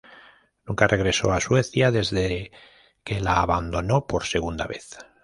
Nunca regresó a Suecia desde que la abandonó por segunda vez.